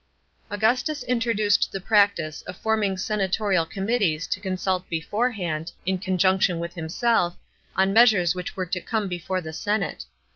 Augustus introduced the practice of forming senatorial committees to consult beforehand, in conjunction with himself, on measures whii h were to come before the senate.